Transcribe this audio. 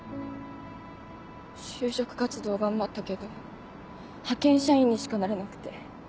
就職活動頑張ったけど派遣社員にしかなれなくて。